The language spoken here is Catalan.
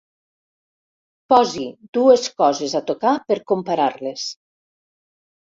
Posi dues coses a tocar per comparar-les.